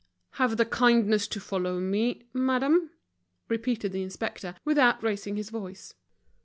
"Have the kindness to follow me, madame," repeated the inspector, without raising his voice.